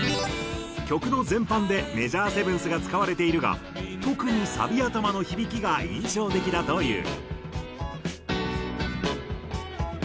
曲の全般でメジャーセブンスが使われているが特にサビ頭の響きが印象的だという。